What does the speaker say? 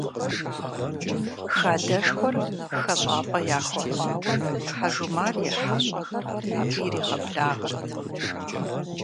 Хадэшхуэр хэщӏапӏэ яхуэхъуауэ, Хьэжумар и хьэщӏэхэр абы иригъэблагъэрт.